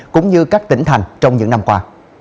cũng như các tỉnh thành trong những năm qua